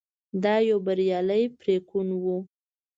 دا یو بریالی پرېکون و.